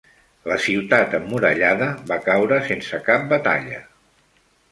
La ciutat emmurallada va caure sense cap batalla.